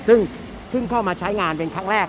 ซึ่งเข้ามาใช้งานเป็นครั้งแรก